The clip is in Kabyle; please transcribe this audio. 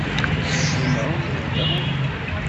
S lemεun i theddreḍ?